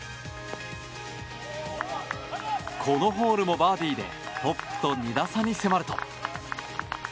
このホールもバーディーでトップと２打差に迫ると。